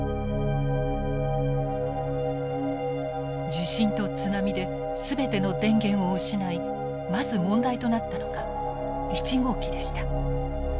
地震と津波で全ての電源を失いまず問題となったのが１号機でした。